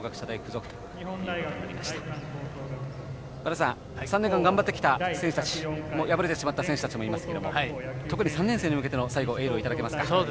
前田さん３年間頑張ってきた選手たち敗れてしまった選手たちもいますが特に３年生に向けての最後、エールをいただけますか。